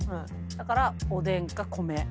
だからおでんか米。